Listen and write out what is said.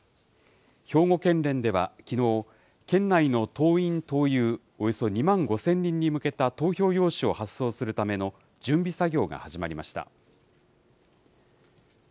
兵庫県連ではきのう、県内の党員・党友およそ２万５０００人に向けた投票用紙を発送するための準備作業が始まりました。